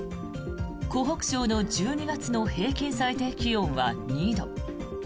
湖北省の１２月の平均最低気温は２度。